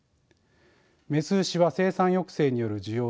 雌牛は生産抑制による需要低下